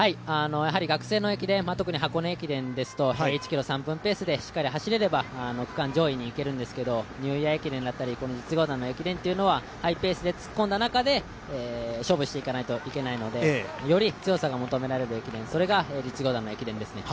学生の駅伝、特に箱根駅伝ですと１ｋｍ３分ペースでしっかり走れれば区間上位にいけるんですけどニューイヤー駅伝だったり実業団駅伝というのはハイペースで突っ込んだ中で勝負していかないといけないのでより強さが求められる駅伝、それが実業団の駅伝ですね。